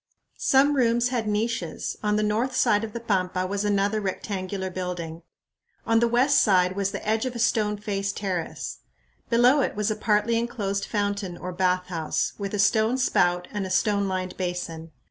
Some rooms had niches. On the north side of the pampa was another rectangular building. On the west side was the edge of a stone faced terrace. Below it was a partly enclosed fountain or bathhouse, with a stone spout and a stone lined basin.